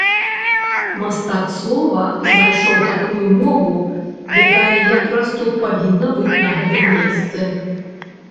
Мастак слова знайшоў такую мову, якая якраз тут павінна быць на гэтым месцы.